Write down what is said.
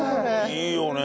いいよね。